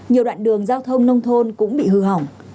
nhiều đoạn đường giao thông nông thôn cũng bị hư hỏng